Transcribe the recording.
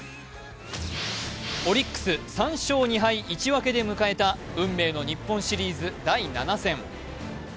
オリックス３勝２敗１分けで迎えた運命の日本シリーズ第７戦。